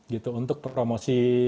gitu untuk promosi